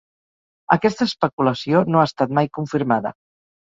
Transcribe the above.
Aquesta especulació no ha estat mai confirmada.